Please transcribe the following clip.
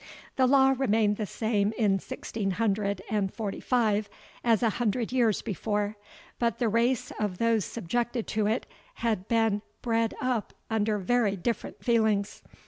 The law remained the same in sixteen hundred and forty five as a hundred years before, but the race of those subjected to it had been bred up under very different feelings.